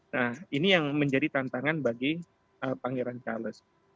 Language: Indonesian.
nah ini yang menjadi tantangan bagi pangeran charles